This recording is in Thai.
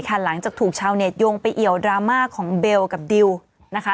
หลังจากถูกชาวเน็ตโยงไปเอี่ยวดราม่าของเบลกับดิวนะคะ